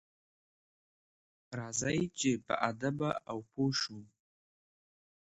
راځئ چې باادبه او پوه شو.